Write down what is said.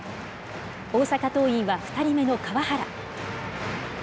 大阪桐蔭は２人目の川原。